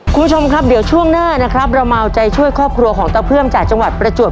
คุณผู้ชมครับเดี๋ยวช่วงหน้านะครับเรามาเอาใจช่วยครอบครัวของตะเพื่อมจากจังหวัดประจวบ